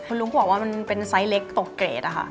คุณลุงบอกว่ามันเป็นไซส์เล็กตกเกรดอะค่ะ